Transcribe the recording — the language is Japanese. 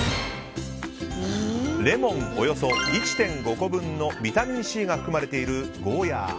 レモンおよそ１．５個分のビタミンＣが含まれているゴーヤ。